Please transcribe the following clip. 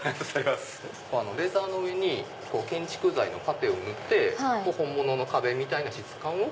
レザーの上に建築材のパテを塗って本物の壁みたいな質感を。